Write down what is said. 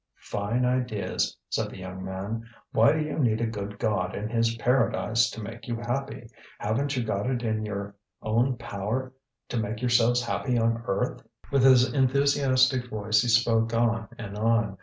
"Fine ideas!" said the young man; "why do you need a good God and his paradise to make you happy? Haven't you got it in your own power to make yourselves happy on earth?" With his enthusiastic voice he spoke on and on.